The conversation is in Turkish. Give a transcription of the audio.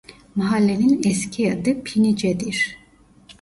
Mahallenin eski adı Pinice'dir.